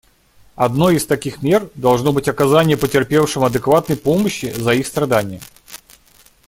Одной из таких мер должно быть оказание потерпевшим адекватной помощи за их страдания.